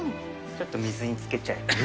ちょっと水につけちゃいます。